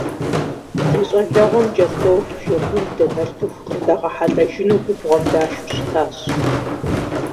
Ди щӏалэгъуэм кӏэртӏоф, жэгундэ, нартыху къырдагъэхьэлӏэжыну губгъуэм дашэу щытащ.